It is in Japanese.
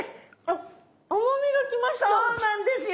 そうなんですよ。